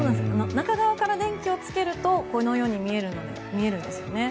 中側から電気をつけるとこのように見えるんですよね。